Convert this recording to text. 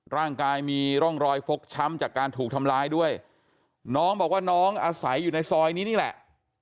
ร่างกายมีร่องรอยฟกช้ำจากการถูกทำร้ายด้วยน้องบอกว่าน้องอาศัยอยู่ในซอยนี้นี่แหละ